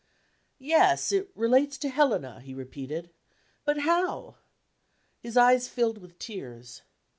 "Yes; it relates to Helena," he repeated "but how?" His eyes filled with tears.